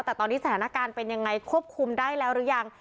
แต่ตอนนี้สถานการณ์เป็นยังไงควบคุมได้แล้วหรือยัง